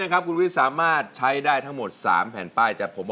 ใครเห็นต้องงง